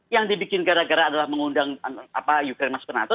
yang dibikin gara gara adalah mengundang ukraine masuk ke nato